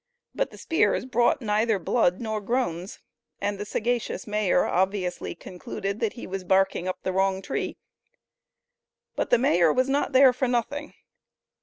But the spears brought neither blood nor groans, and the sagacious mayor obviously concluded that he was "barking up the wrong tree." But the mayor was not there for nothing.